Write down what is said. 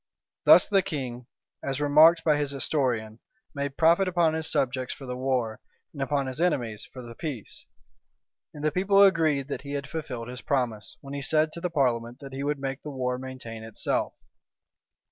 Thus the king, as remarked by his historian, made profit upon his subjects for the war, and upon his enemies for the peace.[*] And the people agreed that he had fulfilled his promise, when he said to the parliament that he would make the war maintain itself.